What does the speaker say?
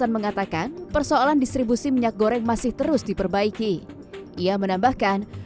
minyak goreng kemasan